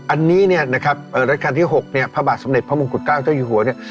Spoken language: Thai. อันนี้นะครับรัชกาลที่๖พระบาทสมเด็จพระมงกุฎเกล้าเจ้าอยู่หัว